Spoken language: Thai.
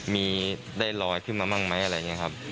มีได้ลอยขึ้นมาบ้างไหมอะไรอย่างนี้ครับ